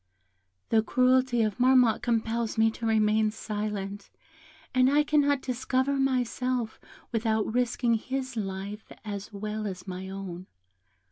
"The cruelty of Marmotte compels me to remain silent, and I cannot discover myself without risking his life as well as my own.